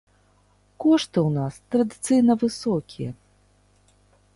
Кошты ў нас традыцыйна высокія.